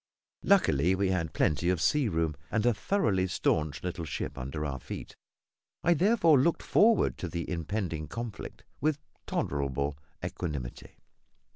Luckily, we had plenty of sea room, and a thoroughly staunch little ship under our feet; I therefore looked forward to the impending conflict with tolerable equanimity.